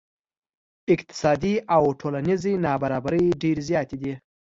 اقتصادي او ټولنیزې نا برابرۍ ډیرې زیاتې دي.